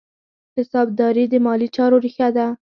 حسابداري د مالي چارو ریښه ده.